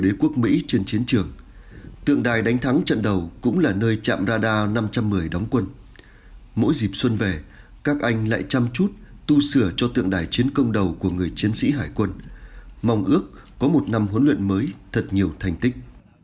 đã năm mươi năm trôi qua kể từ chiến công đánh thắng trận đầu của hải quân nhân dân việt nam và quân dân miền bắc đánh đuổi tàu khu trục